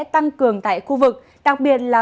tăng cường tại khu vực đặc biệt là